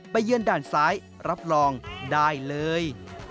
เยือนด่านซ้ายรับรองได้เลย